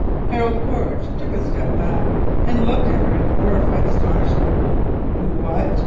Harold Quaritch took a step back and looked at her in horrified astonishment. "_What?